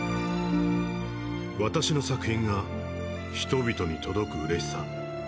私の作品が人々に届くうれしさ